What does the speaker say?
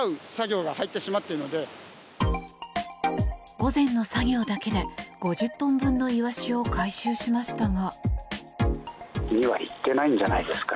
午前の作業だけで５０トン分のイワシを回収しましたが。